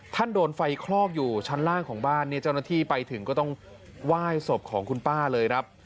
โดนไฟคลอกอยู่ชั้นล่างของบ้านเนี่ยเจ้าหน้าที่ไปถึงก็ต้องไหว้ศพของคุณป้าเลยครับ